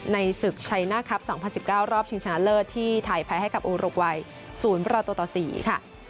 ในศึกชัยหน้าครับ๒๐๑๙รอบชิงชนะเลิศที่ไทยแพ้ให้กับอูรกวัย๐ประตูต่อ๔ค่ะ